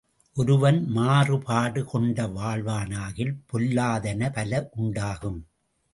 ஒருவன் மாறுபாடு கொண்டு வாழ்வானாகில் பொல்லாதன பல உண்டாகும்.